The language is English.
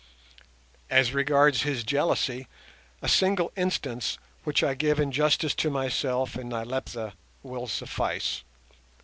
As regards his jealousy, a single instance which I give in justice to myself and Nyleptha will suffice.